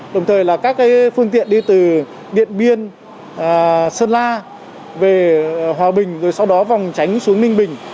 đồng thời là các phương tiện đi từ điện biên sơn la về hòa bình rồi sau đó vòng tránh xuống ninh bình